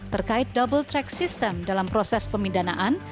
terkait double track system dalam proses pemidanaan